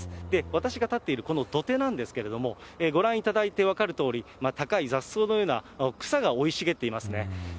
私が立っているこの土手なんですけれども、ご覧いただいて分かるとおり、高い雑草のような草が生い茂っていますね。